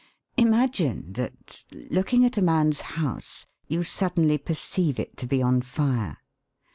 Imagine that, looking at a man's house, you suddenly perceive it to be on fire.